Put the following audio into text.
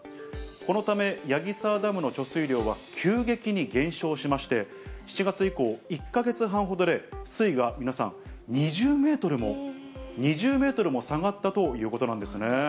このため、矢木沢ダムの貯水量は急激に減少しまして、７月以降、１か月半ほどで水位が皆さん、２０メートルも、２０メートルも下がったということなんですね。